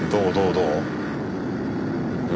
どう？